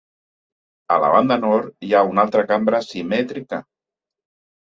A la banda nord, hi ha una altra cambra simètrica.